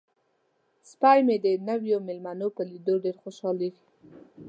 سپی مې د نویو میلمنو په لیدو ډیر خوشحالیږي.